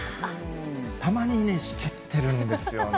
たまにね、しけってるんですよね。